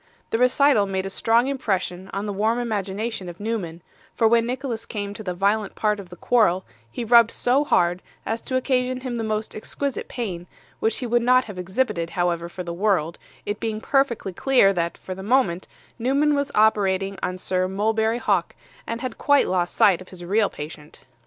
The recital made a strong impression on the warm imagination of Newman; for when Nicholas came to the violent part of the quarrel, he rubbed so hard, as to occasion him the most exquisite pain, which he would not have exhibited, however, for the world, it being perfectly clear that, for the moment, Newman was operating on Sir Mulberry Hawk, and had quite lost sight of his real patient.